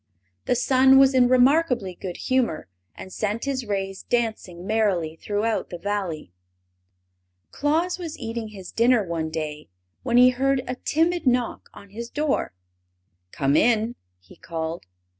The sun was in remarkably good humor, and sent his rays dancing merrily throughout the Valley. Claus was eating his dinner one day when he heard a timid knock on his door. "Come in!" he called.